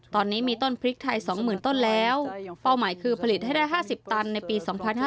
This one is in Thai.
ตอนแล้วเป้าหมายคือผลิตให้ได้๕๐ตันในปี๒๕๖๑